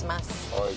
はい。